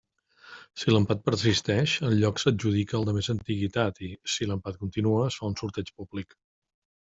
Si l'empat persisteix, el lloc s'adjudica al de més antiguitat i, si l'empat continua, es fa un sorteig públic.